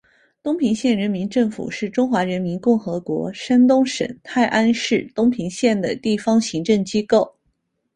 东平县人民政府是中华人民共和国山东省泰安市东平县的地方行政机构。